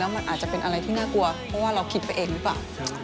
มันอาจจะเป็นอะไรที่น่ากลัวเพราะว่าเราคิดไปเองหรือเปล่า